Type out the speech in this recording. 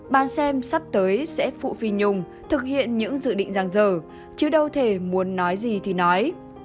ban xem sắp tới sẽ phụ phi nhung thực hiện những dự định rằng dở chứ đâu thể muốn nói gì thì nói